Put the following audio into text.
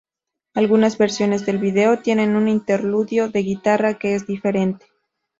Algunas versiones del vídeo tienen un interludio de guitarra que es diferente.